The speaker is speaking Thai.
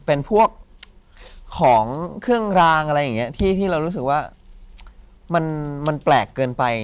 เป็นพวกของเครื่องรางอะไรอย่างนี้ที่เรารู้สึกว่ามันแปลกเกินไป